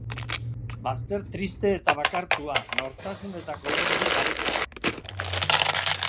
Bazter triste eta bakartua, nortasun eta kolorerik gabekoa.